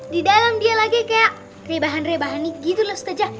di dalam dia lagi kayak rebahan rebahan gitu ustazah